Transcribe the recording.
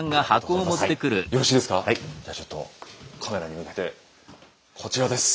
じゃあちょっとカメラに向けてこちらです。